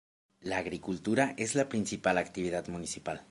La agricultura es la principal actividad municipal.